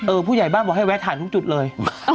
ผู้ใหญ่บ้านบอกให้แวะถ่ายทุกจุดเลย